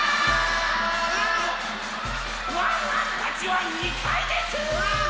ワンワンたちは２かいです！